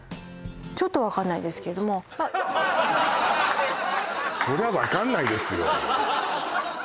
ちょっと分かんないですけどもそりゃ分かんないですよ